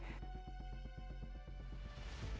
bagaimana pengurusan bahan organik tersebut